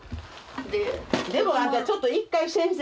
でもあんたちょっと一回先生に言いよ。